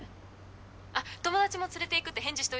あっ友達も連れていくって返事しといたから。